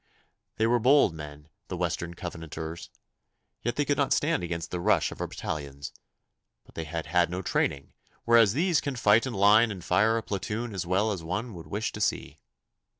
'They were bold men, the western Covenanters, yet they could not stand against the rush of our battalions. But they had had no training, whereas these can fight in line and fire a platoon as well as one would wish to see.